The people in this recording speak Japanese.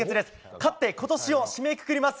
勝って今年を締めくくります！